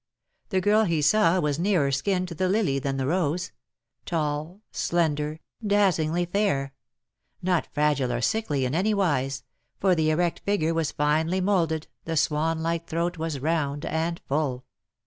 The girl he saw was nearer akin to the lily than the rose — tall, slender, dazzlingly fair — not fragile or sickly in anywise — for the erect figure was finely moulded, the swan like throat was round and full.